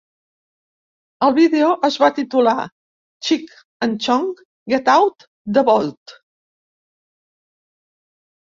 El vídeo es va titular "Cheech and Chong Get Out the Vote!".